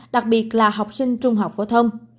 đặc biệt là học sinh trung học phổ thông